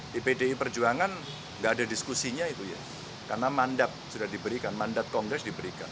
di pdi perjuangan nggak ada diskusinya itu ya karena mandat sudah diberikan mandat kongres diberikan